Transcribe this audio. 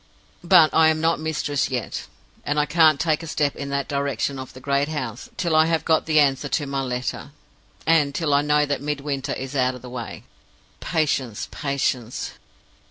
"But I am not mistress yet; and I can't take a step in the direction of the great house till I have got the answer to my letter, and till I know that Midwinter is out of the way. Patience! patience!